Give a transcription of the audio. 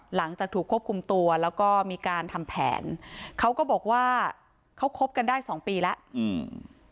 หลังจากถูกควบคุมตัวแล้วก็มีการทำแผนเขาก็บอกว่าเขาคบกันได้สองปีแล้วอืม